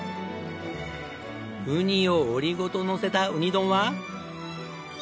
ウニを折りごとのせたウニ丼は。